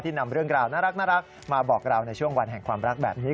นำเรื่องราวน่ารักมาบอกเราในช่วงวันแห่งความรักแบบนี้